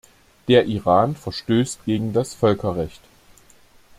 Der Iran verstößt gegen das Völkerrecht.